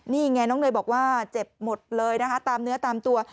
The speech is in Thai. นี่ไงน้องเนยบอกว่าเจ็บหมดเลยนะคะตามเนื้อตามตัว